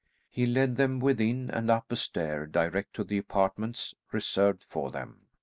He led them within, and up a stair direct to the apartments reserved for them.